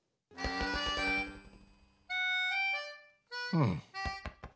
うん。